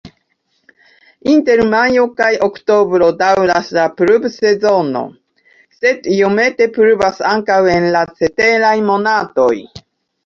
Inter majo-oktobro daŭras la pluvsezono, sed iomete pluvas ankaŭ en la ceteraj monatoj.